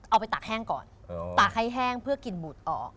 ไปตากแห้งก่อนตากให้แห้งเพื่อกลิ่นบูดออก